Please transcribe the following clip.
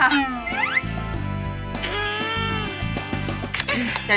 มันเปลี่ยนมาก